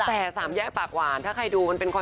แต่สามแยกปากหวาน